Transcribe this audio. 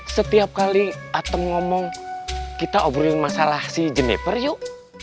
setiap kali atau ngomong kita obrolin masalah si jenniper yuk